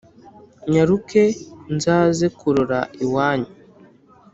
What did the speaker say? Nyaruke nzaze kurora iwanyu